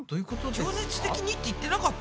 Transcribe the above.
情熱的にって言ってなかった？